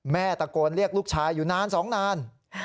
แม่ตะโกนเรียกลูกชายอยู่นาน๒นาน